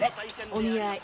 お見合い。